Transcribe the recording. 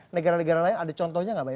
negara negara lain ada contohnya gak